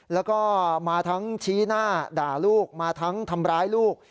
แล้วก็มาทั้งชี้หน้าด่าลูกมาทั้งทำร้ายลูก